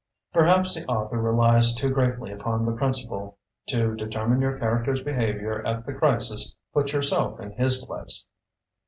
Perhaps the author relies too greatly upon the principle, "To deter mine your character's behavior at the crisis, put yourself in his place".